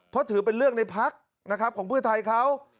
เพราะถือเป็นเรื่องในพักนะครับของเพื่อไทยเขา